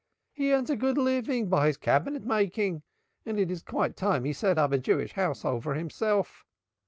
He earns a good living by his cabinet making and it is quite time he set up a Jewish household for himself.